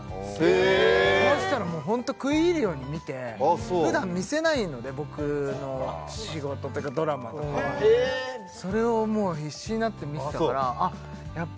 へえそうしたらもうホント食い入るように見て・ああそう普段見せないので僕の仕事っていうかドラマとかはそれをもう必死になって見てたからあっ